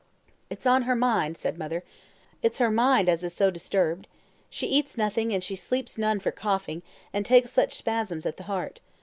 "'It's on her mind,' said mother. 'It's her mind as is so disturbed. She eats nothing, and she sleeps none for coughing, and takes such spasms at the heart.